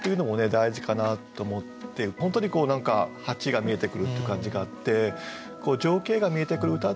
大事かなと思って本当に何か蜂が見えてくるっていう感じがあって情景が見えてくる歌っていうのもね